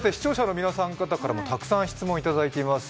視聴者の皆さん方からもたくさん質問をいただいています。